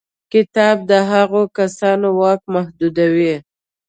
کتاب د هغو کسانو واک محدودوي.